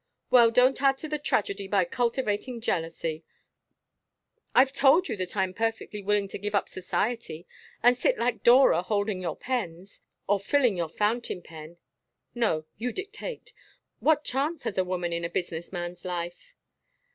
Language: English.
"Well, don't add to the tragedy by cultivating jealousy. I've told you that I am perfectly willing to give up Society and sit like Dora holding your pens or filling your fountain pen no, you dictate. What chance has a woman in a business man's life?"